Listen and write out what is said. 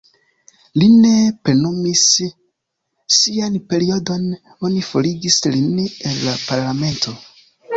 Li ne plenumis sian periodon, oni forigis lin el la parlamento.